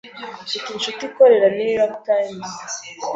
Mfite inshuti ikorera New York Times.